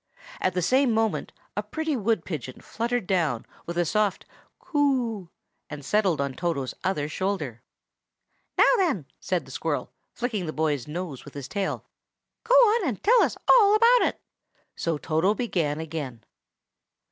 At the same moment a pretty wood pigeon fluttered down, with a soft "Coo!" and settled on Toto's other shoulder. "Now then!" said the squirrel, flicking the boy's nose with his tail, "go on, and tell us all about it!" So Toto began again.